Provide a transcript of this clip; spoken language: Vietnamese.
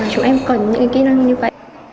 chúng em cần những kỹ năng như vậy